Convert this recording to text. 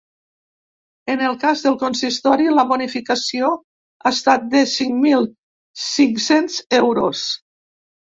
En el cas del consistori, la bonificació ha estat de cinc mil cinc-cents euros.